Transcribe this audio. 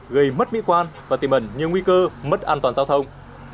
gây mất mỹ quan và tìm ẩn nhiều nguy cơ mất an toàn giao thông